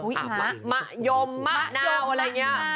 ยมหาอะไรอย่างเงี้ย